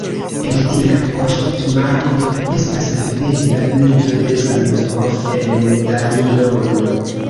En tiu poŝtmarko estas videbla bildo de Zamenhof en medaliono.